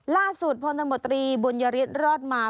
ล่าสุดผลตำรวจรีบุญริตรรอดมา